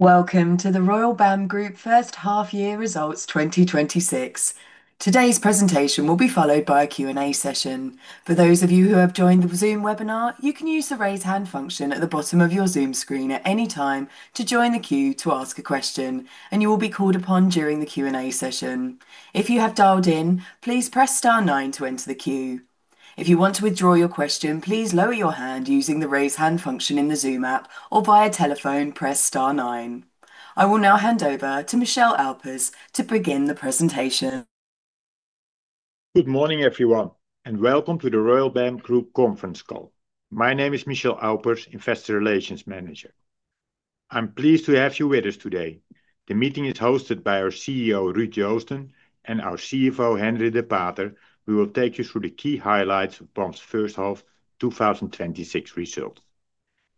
Welcome to the Royal BAM Group first half year results 2026. Today's presentation will be followed by a Q&A session. For those of you who have joined the Zoom webinar, you can use the raise hand function at the bottom of your Zoom screen at any time to join the queue to ask a question, and you will be called upon during the Q&A session. If you have dialed in, please press star nine to enter the queue. If you want to withdraw your question, please lower your hand using the raise hand function in the Zoom app or, via telephone, press star nine. I will now hand over to Michel Aupers to begin the presentation. Good morning, everyone, and welcome to the Royal BAM Group conference call. My name is Michel Aupers, Investor Relations Manager. I'm pleased to have you with us today. The meeting is hosted by our CEO, Ruud Joosten, and our CFO, Henri de Pater, who will take you through the key highlights of BAM's first half 2026 results.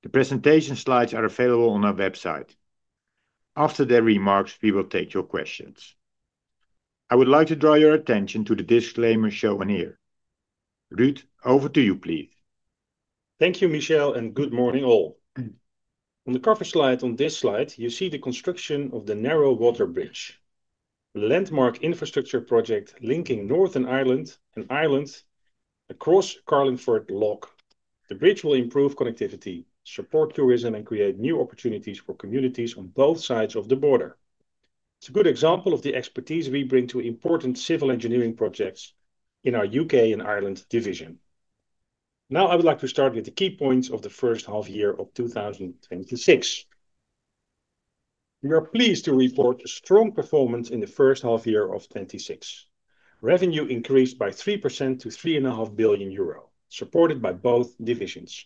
The presentation slides are available on our website. After their remarks, we will take your questions. I would like to draw your attention to the disclaimer shown here. Ruud, over to you, please. Thank you, Michel, and good morning all. On the cover slide, on this slide, you see the construction of the Narrow Water Bridge, the landmark infrastructure project linking Northern Ireland and Ireland across Carlingford Lough. The bridge will improve connectivity, support tourism, and create new opportunities for communities on both sides of the border. It's a good example of the expertise we bring to important civil engineering projects in our U.K. and Ireland division. Now I would like to start with the key points of the first half year of 2026. We are pleased to report a strong performance in the first half year of 2026. Revenue increased by 3% to 3.5 billion euro, supported by both divisions.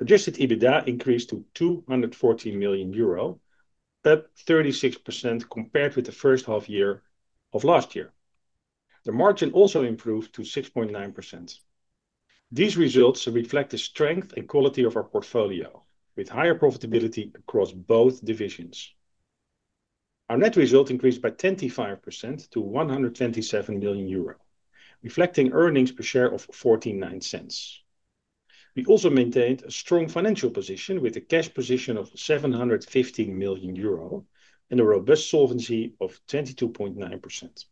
Adjusted EBITDA increased to 214 million euro, up 36% compared with the first half year of last year. The margin also improved to 6.9%. These results reflect the strength and quality of our portfolio, with higher profitability across both divisions. Our net result increased by 25% to 127 million euro, reflecting earnings per share of 0.49. We also maintained a strong financial position with a cash position of 715 million euro and a robust solvency of 22.9%.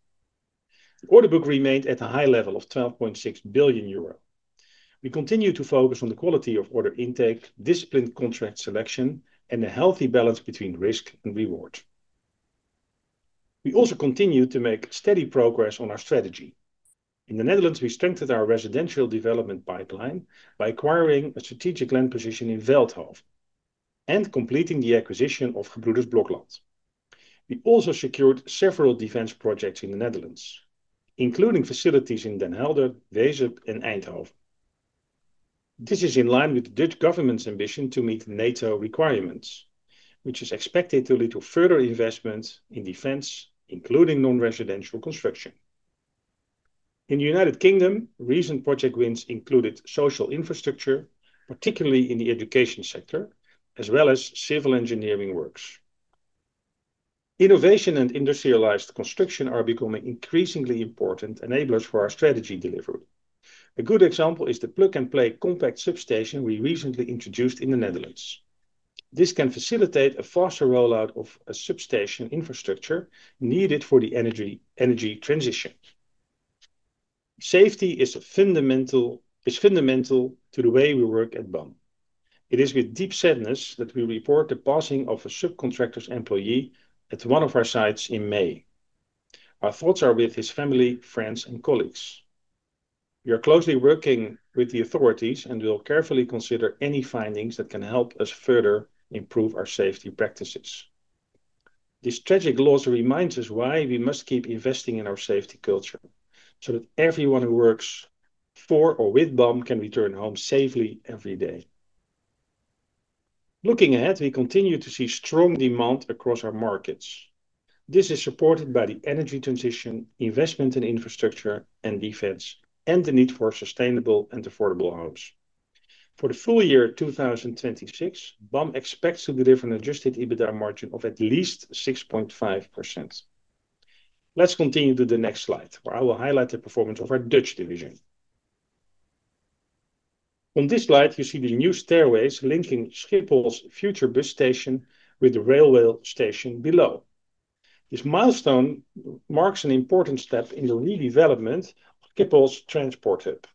The order book remained at a high level of 12.6 billion euro. We continue to focus on the quality of order intake, disciplined contract selection, and a healthy balance between risk and reward. We also continue to make steady progress on our strategy. In the Netherlands, we strengthened our residential development pipeline by acquiring a strategic land position in Veldhoven and completing the acquisition of Gebr. Blokland. We also secured several defense projects in the Netherlands, including facilities in Den Helder, Wezep, and Eindhoven. This is in line with the Dutch government's ambition to meet NATO requirements, which is expected to lead to further investments in defense, including non-residential construction. In the U.K., recent project wins included social infrastructure, particularly in the education sector, as well as civil engineering works. Innovation and industrialized construction are becoming increasingly important enablers for our strategy delivery. A good example is the plug-and-play compact substation we recently introduced in the Netherlands. This can facilitate a faster rollout of a substation infrastructure needed for the energy transition. Safety is fundamental to the way we work at BAM. It is with deep sadness that we report the passing of a subcontractor's employee at one of our sites in May. Our thoughts are with his family, friends, and colleagues. We are closely working with the authorities and will carefully consider any findings that can help us further improve our safety practices. This tragic loss reminds us why we must keep investing in our safety culture so that everyone who works for or with BAM can return home safely every day. Looking ahead, we continue to see strong demand across our markets. This is supported by the energy transition, investment in infrastructure and defense, and the need for sustainable and affordable homes. For the full year 2026, BAM expects to deliver an Adjusted EBITDA margin of at least 6.5%. Let's continue to the next slide, where I will highlight the performance of our Dutch division. On this slide, you see the new stairways linking Schiphol's future bus station with the railway station below. This milestone marks an important step in the redevelopment of Schiphol's transport hub,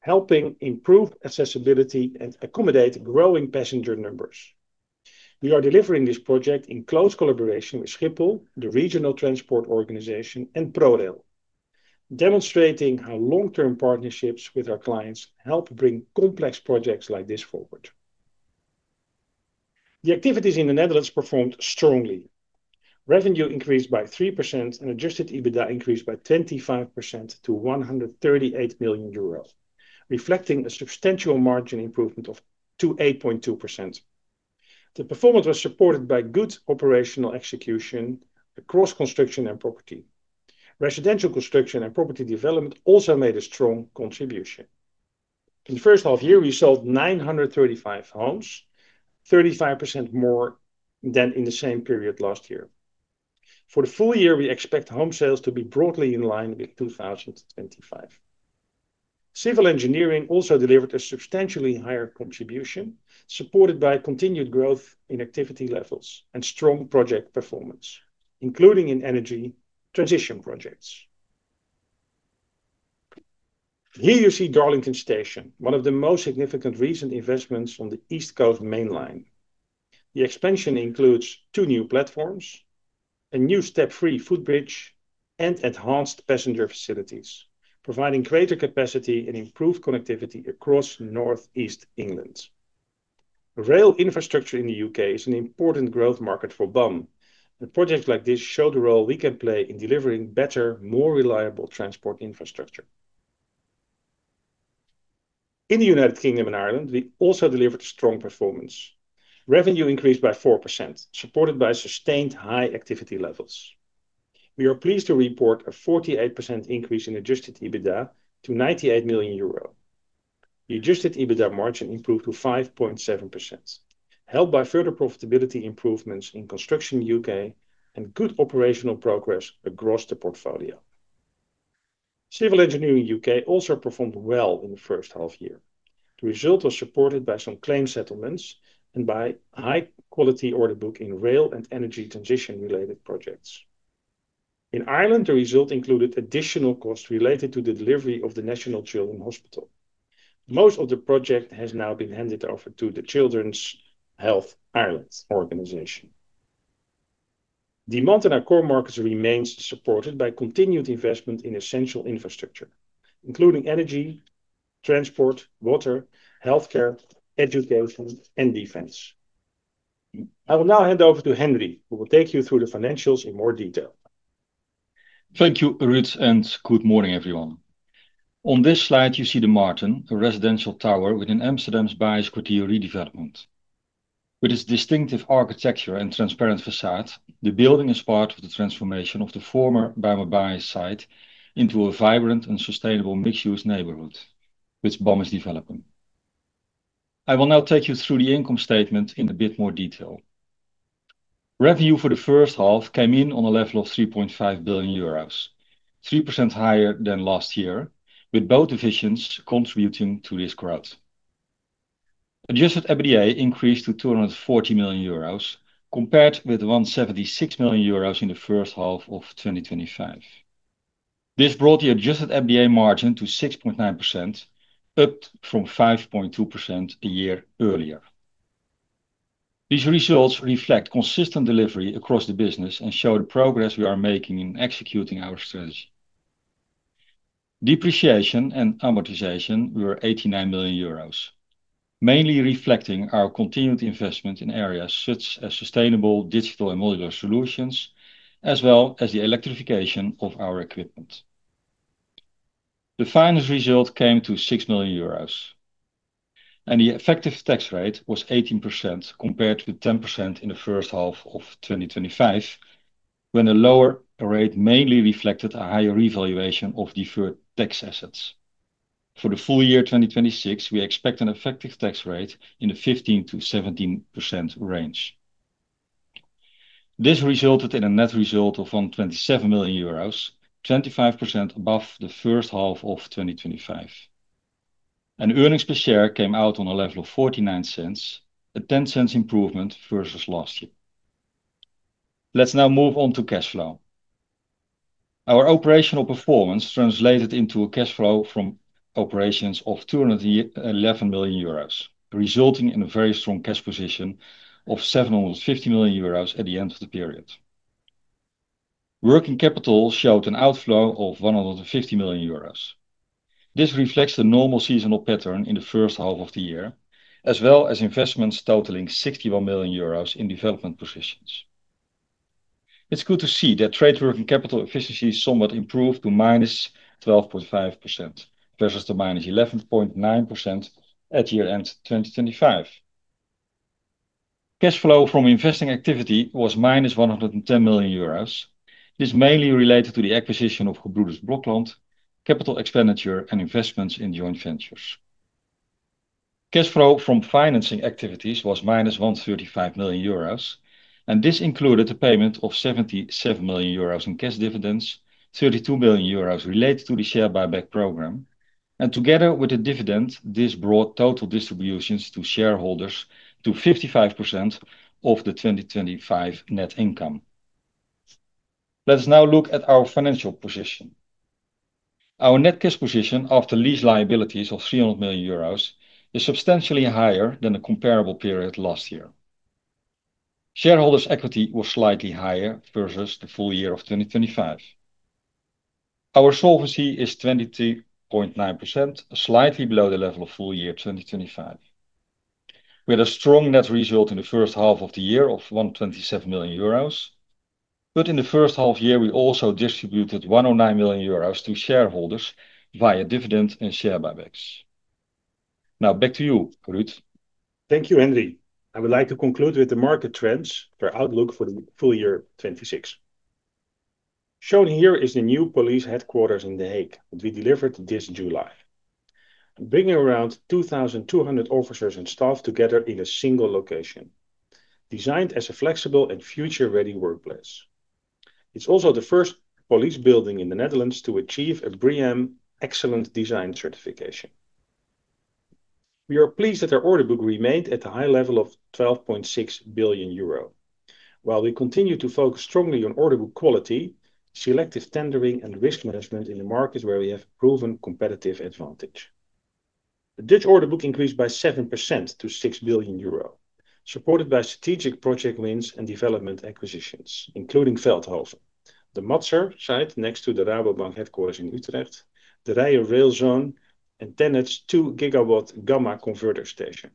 helping improve accessibility and accommodate growing passenger numbers. We are delivering this project in close collaboration with Schiphol, the Regional Transport organization, and ProRail, demonstrating how long-term partnerships with our clients help bring complex projects like this forward. The activities in the Netherlands performed strongly. Revenue increased by 3%, and Adjusted EBITDA increased by 25% to 138 million euros, reflecting a substantial margin improvement to 8.2%. The performance was supported by good operational execution across construction and property. Residential construction and property development also made a strong contribution. In the first half year, we sold 935 homes, 35% more than in the same period last year. For the full year, we expect home sales to be broadly in line with 2025. Civil engineering also delivered a substantially higher contribution, supported by continued growth in activity levels and strong project performance, including in energy transition projects. Here, you see Darlington Station, one of the most significant recent investments on the East Coast Main Line. The expansion includes two new platforms, a new step-free footbridge, and enhanced passenger facilities, providing greater capacity and improved connectivity across North East England. Rail infrastructure in the U.K. is an important growth market for BAM, and projects like this show the role we can play in delivering better, more reliable transport infrastructure. In the U.K. and Ireland, we also delivered a strong performance. Revenue increased by 4%, supported by sustained high activity levels. We are pleased to report a 48% increase in Adjusted EBITDA to 98 million euro. The Adjusted EBITDA margin improved to 5.7%, helped by further profitability improvements in construction U.K. and good operational progress across the portfolio. Civil engineering U.K. also performed well in the first half-year. The result was supported by some claim settlements and by high-quality order book in rail and energy transition-related projects. In Ireland, the result included additional costs related to the delivery of the National Children's Hospital. Most of the project has now been handed over to the Children's Health Ireland organization. Demand in our core markets remains supported by continued investment in essential infrastructure, including energy, transport, water, healthcare, education, and defense. I will now hand over to Henri, who will take you through the financials in more detail. Thank you, Ruud, and good morning, everyone. On this slide, you see The Martin, a residential tower within Amsterdam's Bajes Kwartier redevelopment. With its distinctive architecture and transparent façade, the building is part of the transformation of the former Bijlmermeer site into a vibrant and sustainable mixed-use neighborhood, which BAM is developing. I will now take you through the income statement in a bit more detail. Revenue for the first half came in on a level of 3.5 billion euros, 3% higher than last year, with both divisions contributing to this growth. Adjusted EBITDA increased to 240 million euros compared with 176 million euros in the first half of 2025. This brought the Adjusted EBITDA margin to 6.9%, upped from 5.2% a year earlier. These results reflect consistent delivery across the business and show the progress we are making in executing our strategy. Depreciation and amortization were 89 million euros, mainly reflecting our continued investment in areas such as sustainable, digital and modular solutions, as well as the electrification of our equipment. The finance result came to 6 million euros, and the effective tax rate was 18%, compared with 10% in the first half of 2025, when a lower rate mainly reflected a higher revaluation of deferred tax assets. For the full year 2026, we expect an effective tax rate in the 15%-17% range. This resulted in a net result of 127 million euros, 25% above the first half of 2025. Earnings per share came out on a level of 0.49, a 0.10 improvement versus last year. Let's now move on to cash flow. Our operational performance translated into a cash flow from operations of 211 million euros, resulting in a very strong cash position of 750 million euros at the end of the period. Working capital showed an outflow of 150 million euros. This reflects the normal seasonal pattern in the first half of the year, as well as investments totaling 61 million euros in development positions. It's good to see that trade working capital efficiency somewhat improved to -12.5% versus the -11.9% at year-end 2025. Cash flow from investing activity was -110 million euros. This mainly related to the acquisition of Gebroeders Blokland, capital expenditure and investments in joint ventures. Cash flow from financing activities was -135 million euros. This included the payment of 77 million euros in cash dividends, 32 million euros related to the share buyback program. Together with the dividend, this brought total distributions to shareholders to 55% of the 2025 net income. Let's now look at our financial position. Our net cash position after lease liabilities of 300 million euros is substantially higher than the comparable period last year. Shareholders' equity was slightly higher versus the full year 2025. Our solvency is 22.9%, slightly below the level of full year 2025. We had a strong net result in the first half of the year of 127 million euros. In the first half year, we also distributed 109 million euros to shareholders via dividends and share buybacks. Now back to you, Ruud. Thank you, Henri. I would like to conclude with the market trends for outlook for the full year 2026. Shown here is the new police headquarters in The Hague that we delivered this July, bringing around 2,200 officers and staff together in a single location. Designed as a flexible and future-ready workplace. It's also the first police building in the Netherlands to achieve a BREEAM Excellent design certification. We are pleased that our order book remained at the high level of 12.6 billion euro. While we continue to focus strongly on order book quality, selective tendering, and risk management in the markets where we have proven competitive advantage. The Dutch order book increased by 7% to 6 billion euro, supported by strategic project wins and development acquisitions, including Veldhoven, the Matser site next to the Rabobank headquarters in Utrecht, the Rail Zone, and TenneT's two-gigawatt Gamma Converter Station.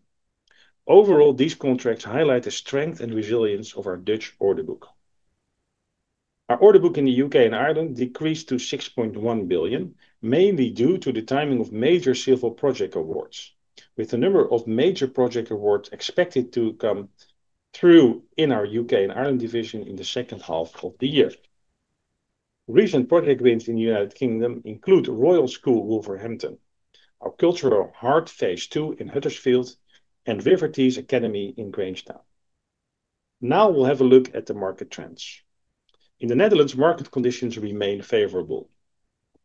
Overall, these contracts highlight the strength and resilience of our Dutch order book. Our order book in the U.K. and Ireland decreased to 6.1 billion, mainly due to the timing of major civil project awards, with a number of major project awards expected to come through in our U.K. and Ireland division in the second half of the year. Recent project wins in the United Kingdom include Royal School Wolverhampton, Our Cultural Heart Phase Two in Huddersfield, and River Tees Academy in Grangetown. We'll have a look at the market trends. In the Netherlands, market conditions remain favorable,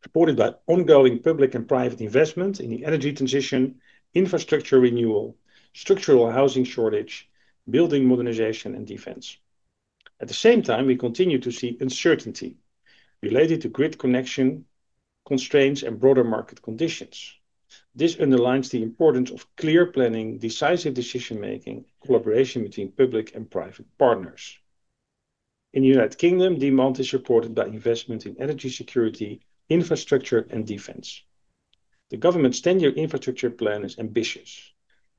supported by ongoing public and private investment in the energy transition, infrastructure renewal, structural housing shortage, building modernization, and defense. At the same time, we continue to see uncertainty related to grid connection constraints and broader market conditions. This underlines the importance of clear planning, decisive decision-making, collaboration between public and private partners. In the United Kingdom, demand is supported by investment in energy security, infrastructure, and defense. The government's 10-year infrastructure plan is ambitious,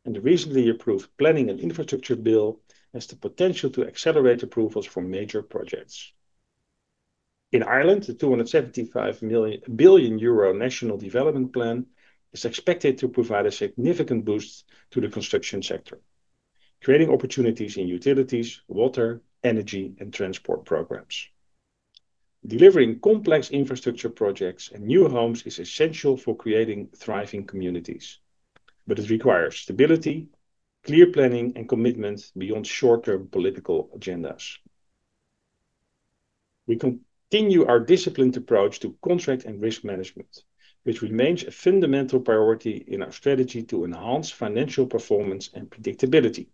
and the recently approved Planning and Infrastructure Act has the potential to accelerate approvals for major projects. In Ireland, the 275 billion euro National Development Plan is expected to provide a significant boost to the construction sector, creating opportunities in utilities, water, energy, and transport programs. Delivering complex infrastructure projects and new homes is essential for creating thriving communities, but it requires stability, clear planning, and commitment beyond short-term political agendas. We continue our disciplined approach to contract and risk management, which remains a fundamental priority in our strategy to enhance financial performance and predictability.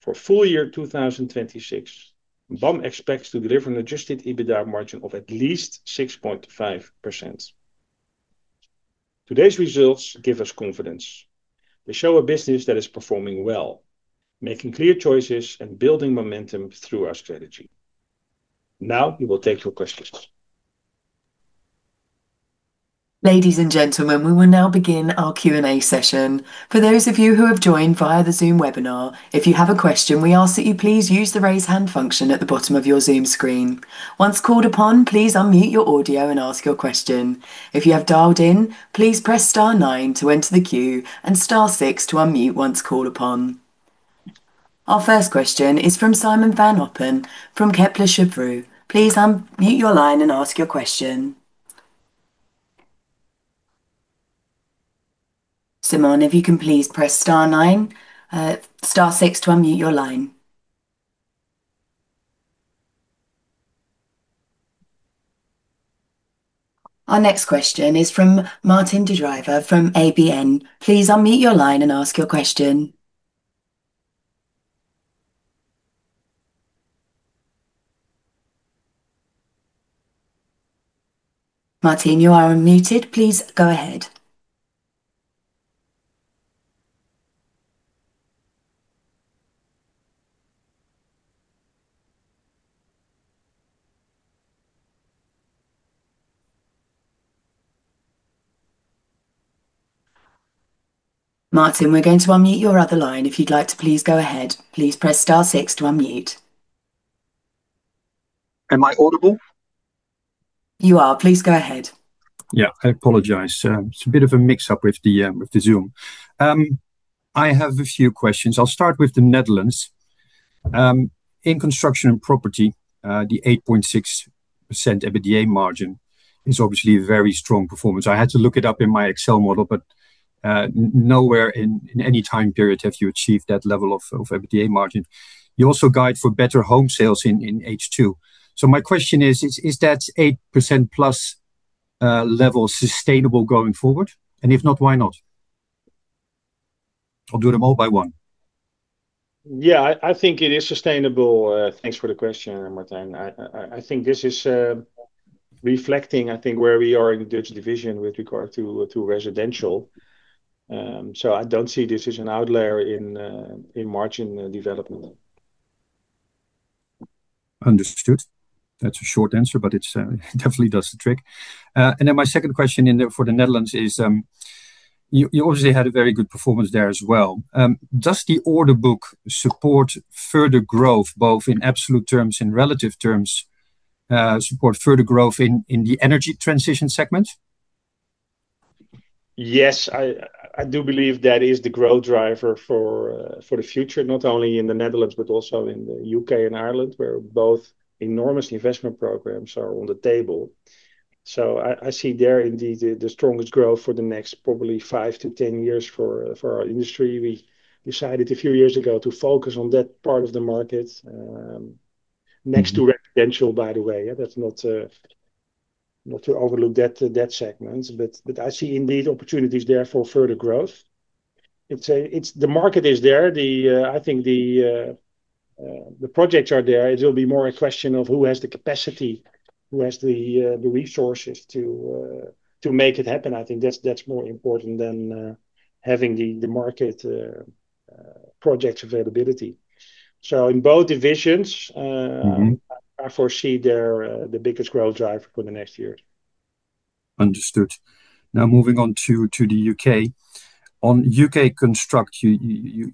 For full year 2026, BAM expects to deliver an Adjusted EBITDA margin of at least 6.5%. Today's results give us confidence. They show a business that is performing well, making clear choices, and building momentum through our strategy. Now, we will take your questions. Ladies and gentlemen, we will now begin our Q&A session. For those of you who have joined via the Zoom webinar, if you have a question, we ask that you please use the raise hand function at the bottom of your Zoom screen. Once called upon, please unmute your audio and ask your question. If you have dialed in, please press star nine to enter the queue and star six to unmute once called upon. Our first question is from Simon van Oppen from Kepler Cheuvreux. Please unmute your line and ask your question. Simon, if you can please press star six to unmute your line. Our next question is from Martijn den Drijver from ABN. Please unmute your line and ask your question. Martijn, you are unmuted. Please go ahead. Martijn, we're going to unmute your other line if you'd like to please go ahead. Please press star six to unmute. Am I audible? You are. Please go ahead. Yeah, I apologize. It's a bit of a mix-up with the Zoom. I have a few questions. I'll start with the Netherlands. In construction and property, the 8.6% EBITDA margin is obviously a very strong performance. I had to look it up in my Excel model, but nowhere in any time period have you achieved that level of EBITDA margin. You also guide for better home sales in H2. My question is that 8% plus level sustainable going forward? If not, why not? I'll do them all by one. Yeah, I think it is sustainable. Thanks for the question, Martijn. I think this is reflecting, I think, where we are in the Dutch division with regard to residential. I don't see this as an outlier in margin development. Understood. That's a short answer, but it definitely does the trick. My second question for the Netherlands is, you obviously had a very good performance there as well. Does the order book support further growth, both in absolute terms and relative terms, support further growth in the energy transition segment? Yes, I do believe that is the growth driver for the future, not only in the Netherlands but also in the U.K. and Ireland, where both enormous investment programs are on the table. I see there indeed the strongest growth for the next probably 5-10 years for our industry. We decided a few years ago to focus on that part of the market, next to residential, by the way. That's not to overlook that segment, but I see indeed opportunities there for further growth. The market is there. I think the projects are there. It will be more a question of who has the capacity, who has the resources to make it happen. I think that's more important than having the market projects availability. In both divisions I foresee they're the biggest growth driver for the next year. Understood. Moving on to the U.K. On U.K. construct, you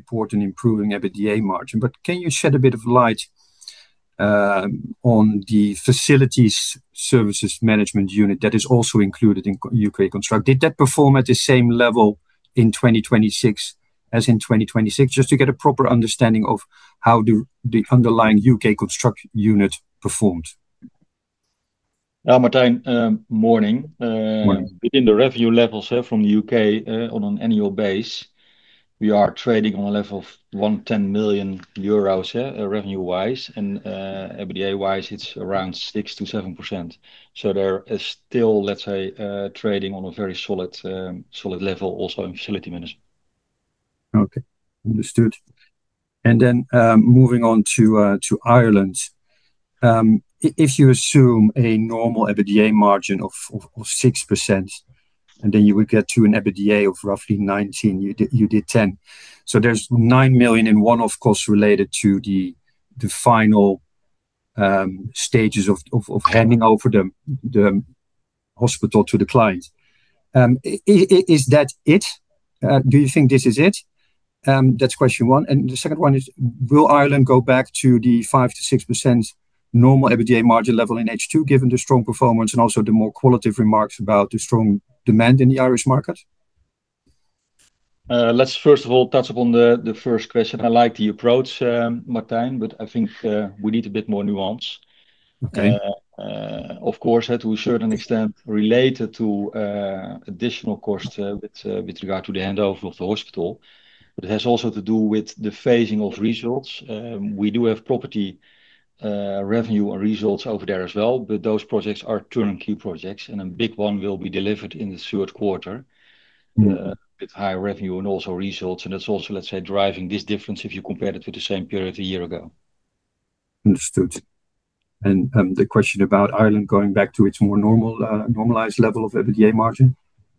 report an improving EBITDA margin. Can you shed a bit of light on the facilities services management unit that is also included in U.K. construct? Did that perform at the same level in 2026 as in 2026? Just to get a proper understanding of how the underlying U.K. construct unit performed. Martijn, morning. Morning. Within the revenue levels from the U.K., on an annual base, we are trading on a level of 110 million euros revenue-wise, and EBITDA-wise, it's around 6%-7%. There is still, let's say, trading on a very solid level also in facility management. Okay. Understood. Moving on to Ireland. If you assume a normal EBITDA margin of 6%, you would get to an EBITDA of roughly 19 million. You did 10 million. There's 9 million in one, of course, related to the final stages of handing over the hospital to the client. Is that it? Do you think this is it? That's question one. The second one is, will Ireland go back to the 5%-6% normal EBITDA margin level in H2, given the strong performance and also the more qualitative remarks about the strong demand in the Irish market? Let's first of all touch upon the first question. I like the approach, Martijn, I think we need a bit more nuance. Okay. Of course, to a certain extent, related to additional cost with regard to the handover of the hospital. It has also to do with the phasing of results. We do have property revenue results over there as well, but those projects are turnkey projects, and a big one will be delivered in the third quarter with high revenue and also results. It's also, let's say, driving this difference if you compare it to the same period a year ago. Understood. The question about Ireland going back to its more normalized level of EBITDA margin?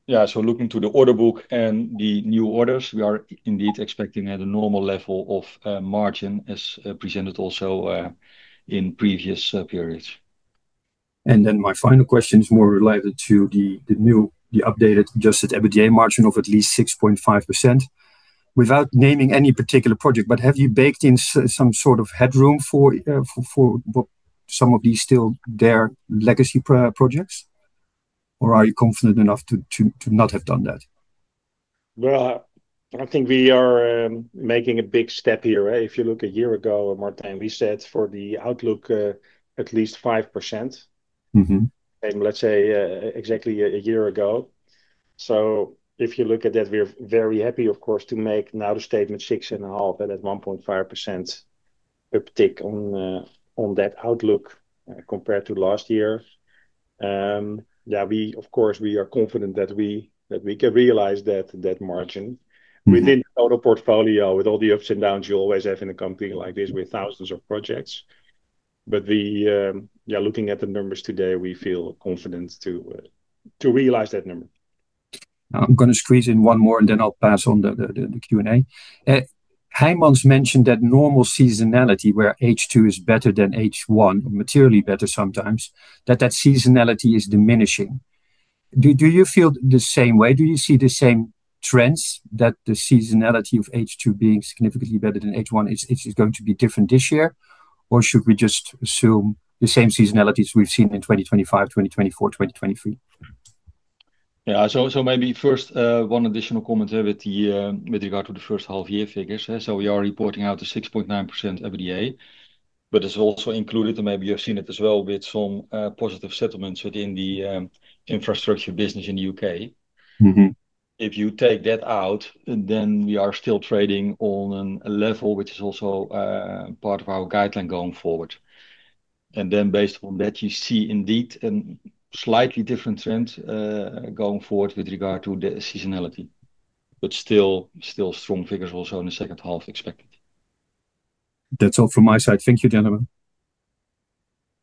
Yeah. Looking to the order book and the new orders, we are indeed expecting at a normal level of margin as presented also in previous periods. My final question is more related to the updated Adjusted EBITDA margin of at least 6.5%. Without naming any particular project, but have you baked in some sort of headroom for some of these still there legacy projects? Are you confident enough to not have done that? Well, I think we are making a big step here. If you look a year ago, Martijn, we said for the outlook at least 5%. Let's say exactly a year ago. If you look at that, we're very happy, of course, to make now the statement 6.5%, and that's 1.5% uptick on that outlook compared to last year. Of course, we are confident that we can realize that margin within the total portfolio with all the ups and downs you always have in a company like this with thousands of projects. Looking at the numbers today, we feel confident to realize that number. I'm going to squeeze in one more, and then I'll pass on the Q&A. Heijmans mentioned that normal seasonality, where H2 is better than H1, materially better sometimes, that seasonality is diminishing. Do you feel the same way? Do you see the same trends that the seasonality of H2 being significantly better than H1? Is it going to be different this year, or should we just assume the same seasonalities we've seen in 2025, 2024, 2023? Yeah. Maybe first one additional comment with regard to the first half year figures. We are reporting out a 6.9% EBITDA, it's also included, maybe you've seen it as well, with some positive settlements within the infrastructure business in the U.K. If you take that out, we are still trading on a level which is also part of our guideline going forward. Based on that, you see indeed a slightly different trend going forward with regard to the seasonality. Still strong figures also in the second half expected. That's all from my side. Thank you, gentlemen.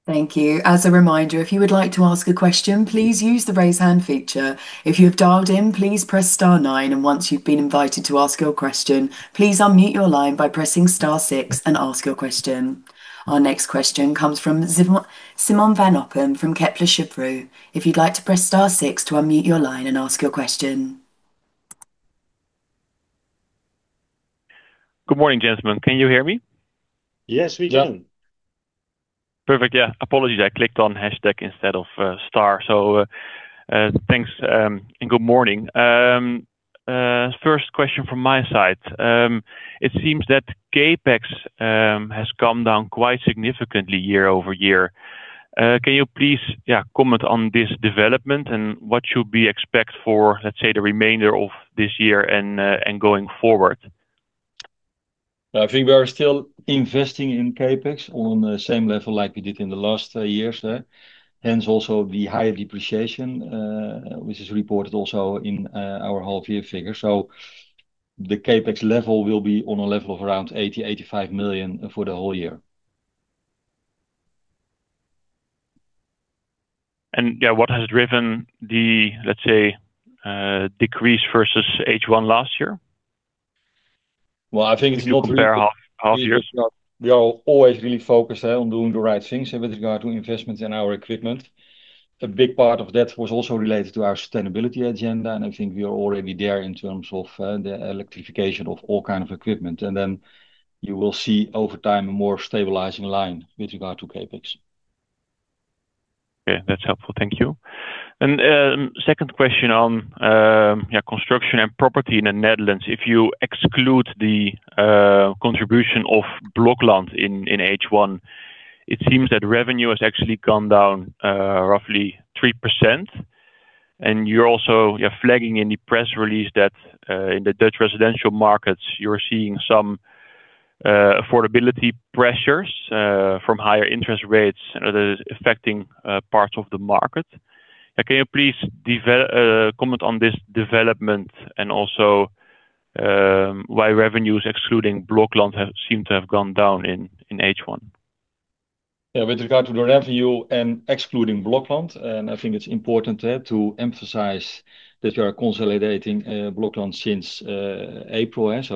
Thank you. As a reminder, if you would like to ask a question, please use the raise hand feature. If you have dialed in, please press star nine, and once you've been invited to ask your question, please unmute your line by pressing star six and ask your question. Our next question comes from Simon van Oppen from Kepler Cheuvreux. If you'd like to press star six to unmute your line and ask your question. Good morning, gentlemen. Can you hear me? Yes, we can. Yeah. Perfect. Yeah. Apologies, I clicked on hashtag instead of star. Thanks, and good morning. First question from my side. It seems that CapEx has come down quite significantly year-over-year. Can you please, yeah, comment on this development and what should we expect for, let's say, the remainder of this year and going forward? I think we are still investing in CapEx on the same level like we did in the last years. Hence, also the higher depreciation, which is reported also in our half year figures. The CapEx level will be on a level of around 80 million, 85 million for the whole year. What has driven the, let's say, decrease versus H1 last year? Well, I think it's not really- If you compare half years... we are always really focused on doing the right things with regard to investments in our equipment. A big part of that was also related to our sustainability agenda, and I think we are already there in terms of the electrification of all kind of equipment. Then you will see over time a more stabilizing line with regard to CapEx. Okay. That's helpful. Thank you. Second question on construction and property in the Netherlands. If you exclude the contribution of Blokland in H1, it seems that revenue has actually gone down roughly 3%. You're also flagging in the press release that, in the Dutch residential markets, you're seeing some affordability pressures from higher interest rates that is affecting parts of the market. Can you please comment on this development and also why revenues excluding Blokland seem to have gone down in H1? With regard to the revenue excluding Blokland, I think it is important to emphasize that we are consolidating Blokland since April, at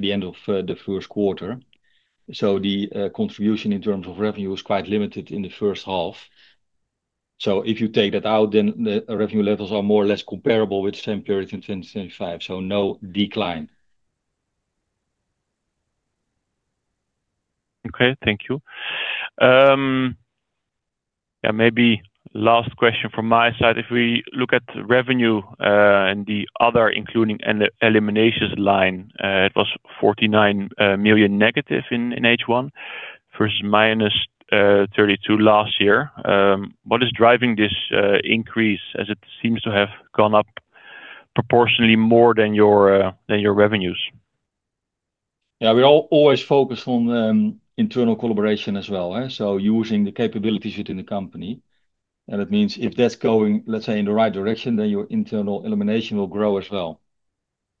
the end of the first quarter. The contribution in terms of revenue was quite limited in the first half. If you take that out, then the revenue levels are more or less comparable with the same period in 2025. No decline. Okay. Thank you. Maybe last question from my side. If we look at revenue and the other, including an elimination line, it was -49 million in H1 versus -32 million last year. What is driving this increase as it seems to have gone up proportionally more than your revenues? We always focus on internal collaboration as well. Using the capabilities within the company. It means if that is going, let's say, in the right direction, then your internal elimination will grow as well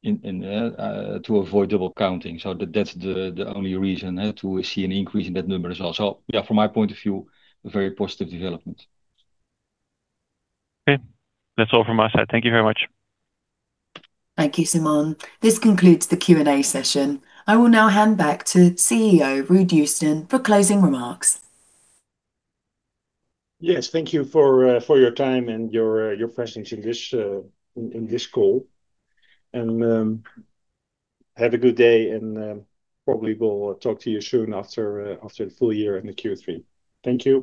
to avoid double counting. That is the only reason to see an increase in that number as well. Yeah, from my point of view, a very positive development. Okay. That is all from my side. Thank you very much. Thank you, Simon. This concludes the Q&A session. I will now hand back to CEO Ruud Joosten for closing remarks. Yes. Thank you for your time and your questions in this call. Have a good day and probably will talk to you soon after the full year in the Q3. Thank you